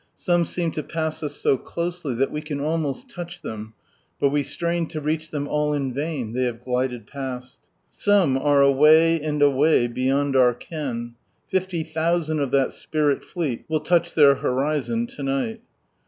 Some seem to pass us so closely that we can almost touch them, but we strain lo reach them all in vain— they have glided pasL Some are away and away beyond our ken. Fifty thousand of that spirit fleet will touch their horizon to night.